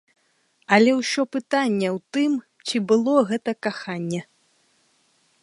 Але ўсё пытанне ў тым, ці было гэта каханне.